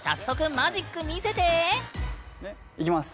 いきます。